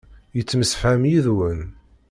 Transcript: Yettemsefham yid-wen.